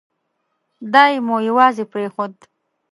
دای مو یوازې پرېښود.